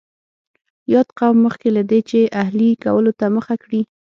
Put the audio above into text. یاد قوم مخکې له دې چې اهلي کولو ته مخه کړي.